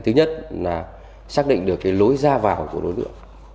thứ nhất là xác định được cái lối ra vào của nối lượng